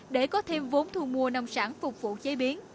để có thêm vốn thu mua nông sản phục vụ chế biến